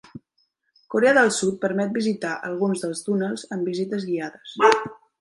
Corea del Sud permet visitar alguns dels túnels amb visites guiades.